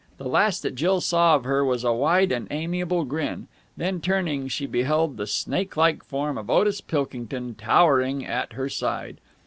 The last that Jill saw of her was a wide and amiable grin. Then, turning, she beheld the snake like form of Otis Pilkington towering at her side.